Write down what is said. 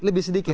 lebih sedikit ya